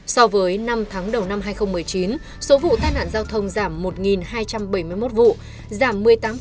so với năm tháng đầu năm hai nghìn một mươi chín số vụ tai nạn giao thông giảm một hai trăm bảy mươi một vụ giảm một mươi tám